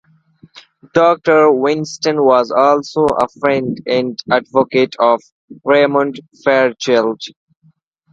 Doctor Winston was also a friend and advocate of Raymond Fairchild.